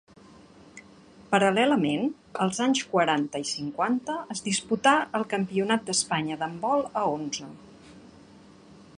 Paral·lelament, als anys quaranta i cinquanta es disputà el Campionat d'Espanya d'handbol a onze.